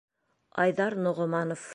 Айҙар НОҒОМАНОВ.